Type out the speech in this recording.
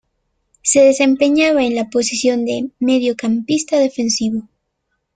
Se desempeñaba en la posición de mediocampista defensivo.